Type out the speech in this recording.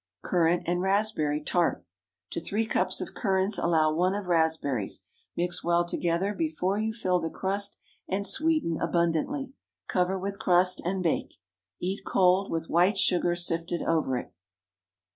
CURRANT AND RASPBERRY TART. ✠ To three cups of currants allow one of raspberries. Mix well together before you fill the crust, and sweeten abundantly. Cover with crust and bake. Eat cold, with white sugar sifted over it.